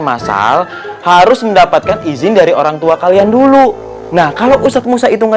masal harus mendapatkan izin dari orang tua kalian dulu nah kalau pusat musa itu nggak